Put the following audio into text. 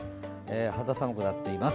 肌寒くなっています。